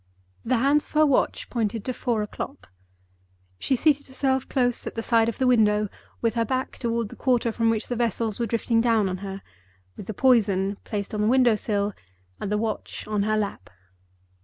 The hands of her watch pointed to four o'clock. She seated herself close at the side of the window, with her back toward the quarter from which the vessels were drifting down on her—with the poison placed on the window sill and the watch on her lap.